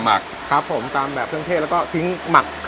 มักครับผมตามแบบเครื่องเทศแล้วก็ทิ้งหมักข้ามคืนเลย